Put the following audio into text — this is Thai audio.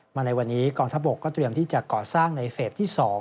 ในวันนี้กองทัพบกก็เตรียมที่จะก่อสร้างในเฟสที่๒